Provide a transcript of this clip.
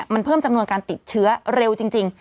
มันเพิ่มจำนวนการติดเชื้อเร็วจริง